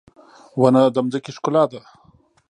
• ونه د ځمکې ښکلا ده.